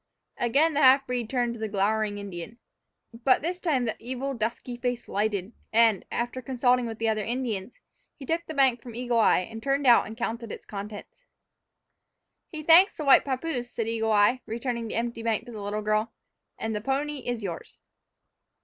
Again the half breed turned to the glowering Indian. But this time the evil, dusky face lighted, and, after consulting with the other Indians, he took the bank from Eagle Eye and turned out and counted its contents. "He thanks the white papoose," said Eagle Eye, returning the empty bank to the little girl, "and the pony is yours."